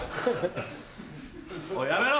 おいやめろ！